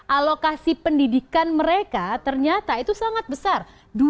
alokasi pendidikan mereka ternyata itu sangat besar